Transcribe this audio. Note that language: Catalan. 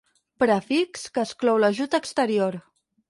Prefix que exclou l'ajut exterior.